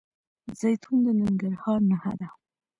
زیتون د ننګرهار نښه ده.